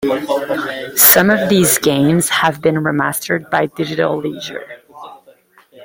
Some of theses games have been remastered by Digital Leisure.